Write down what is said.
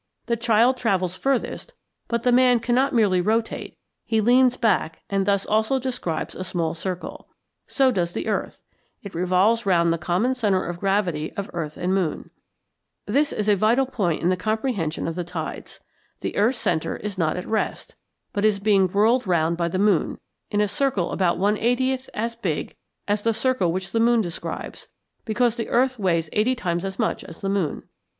The child travels furthest, but the man cannot merely rotate, he leans back and thus also describes a small circle: so does the earth; it revolves round the common centre of gravity of earth and moon (cf. p. 212). This is a vital point in the comprehension of the tides: the earth's centre is not at rest, but is being whirled round by the moon, in a circle about 1/80 as big as the circle which the moon describes, because the earth weighs eighty times as much as the moon.